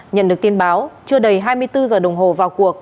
nhận được tin báo chưa đầy hai mươi bốn giờ đồng hồ vào cuộc